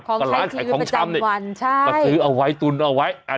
ของชายทีวีประจำวันใช่ก็ซื้อเอาไว้ตุนเอาไว้อ่า